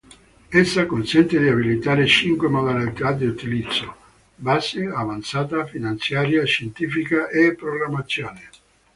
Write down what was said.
Essa consente di abilitare cinque modalità di utilizzo: Base, Avanzata, Finanziaria, Scientifica e Programmazione.